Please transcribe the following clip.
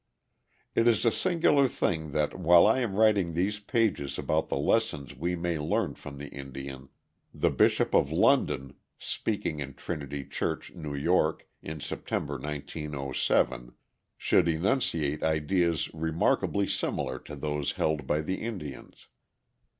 It is a singular thing that while I am writing these pages about the lessons we may learn from the Indian, the Bishop of London, speaking in Trinity Church, New York, in September, 1907, should enunciate ideas remarkably similar to those held by the Indians.